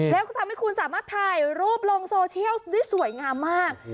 แล้วก็ทำให้คุณสามารถถ่ายรูปลงโซเชียลได้สวยงามมาก